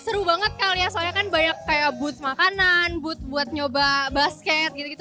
seru banget kali ya soalnya kan banyak kayak booth makanan booth buat nyoba basket gitu gitu